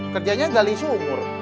kerjanya gali sumur